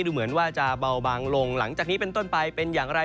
ดูเหมือนว่าจะเบาบางลงหลังจากนี้เป็นต้นไปเป็นอย่างไร